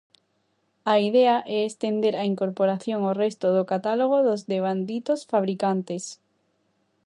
A idea é estender a incorporación ao resto do catálogo dos devanditos fabricantes.